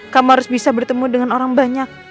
kamu harus bisa bertemu dengan orang banyak